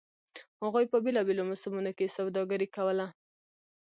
هغوی په بېلابېلو موسمونو کې سوداګري کوله.